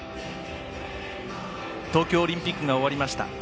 東京オリンピックが終わりました。